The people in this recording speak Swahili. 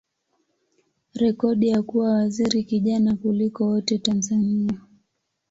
rekodi ya kuwa waziri kijana kuliko wote Tanzania.